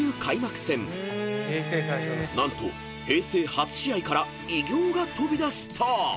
［何と平成初試合から偉業が飛び出した］